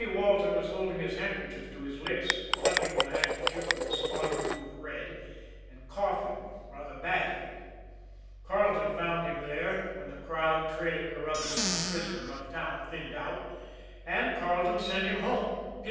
Walton was holding his handkerchief to his lips, flecking the handkerchief with a spot or two of red, and coughing rather badly. Carleton found him there when the crowd, trailing Carruthers and his prisoner uptown, thinned out and Carleton sent him home. P.